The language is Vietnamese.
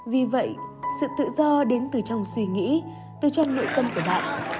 vì vậy sự tự do đến từ trong suy nghĩ từ trong nội tâm của bạn